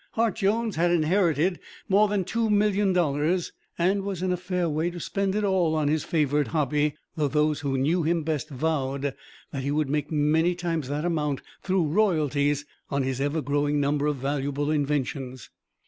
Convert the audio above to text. Hart Jones had inherited more than two million dollars, and was in a fair way to spend it all on his favorite hobby, though those who knew him best vowed that he would make many times that amount through royalties on his ever growing number of valuable inventions.